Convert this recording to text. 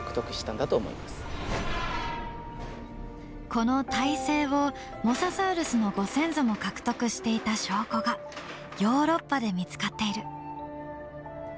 この胎生をモササウルスのご先祖も獲得していた証拠がヨーロッパで見つかっている。